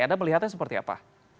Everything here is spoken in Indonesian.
anda melihatnya seperti apa